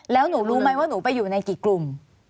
แล้วหนูรู้ไหมว่าหนูไปอยู่ในกี่กลุ่ม